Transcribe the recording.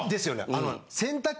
あの。